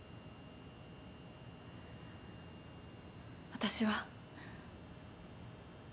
私は。